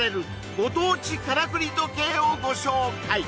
ご当地からくり時計をご紹介